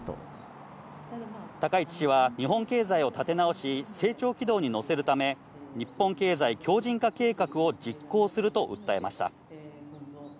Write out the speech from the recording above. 高市氏は日本経済を立て直し、成長軌道に乗せるため、日本経済強靭化計画を実行すると訴えました。